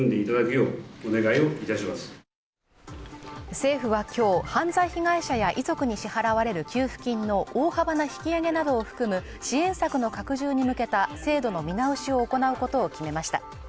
政府は今日犯罪被害者や遺族に支払われる給付金の大幅な引き上げなどを含む支援策の拡充に向けた制度の見直しを行うことを決めました。